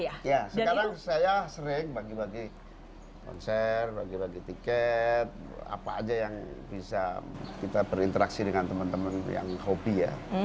ya sekarang saya sering bagi bagi konser bagi bagi tiket apa aja yang bisa kita berinteraksi dengan teman teman yang hobi ya